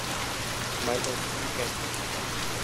米路斯徑